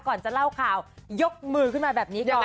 ก่อนจะเล่าข่าวยกมือขึ้นมาแบบนี้ก่อน